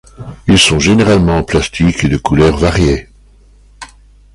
Ils sont généralement en plastique et de couleurs variées.